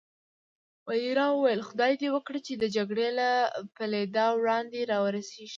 منیرا وویل: خدای دې وکړي چې د جګړې له پېلېدا وړاندې را ورسېږي.